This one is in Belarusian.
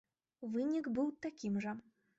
Вынік быў такім жа.